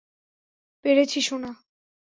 পেরেছি, সোনা।